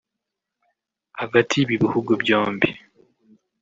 hagati y’ibi bihugu byombi